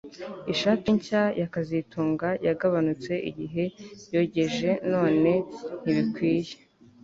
Ishati nshya ya kazitunga yagabanutse igihe yogeje none ntibikwiye